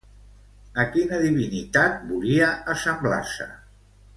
A quina divinitat volia assemblar-se?